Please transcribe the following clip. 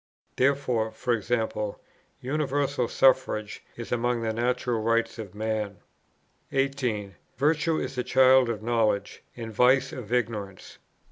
Therefore, e.g. Universal Suffrage is among the natural rights of man. 18. Virtue is the child of knowledge, and vice of ignorance.